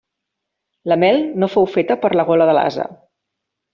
La mel no fou feta per a la gola de l'ase.